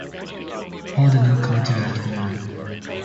Paul did not come till afternoon.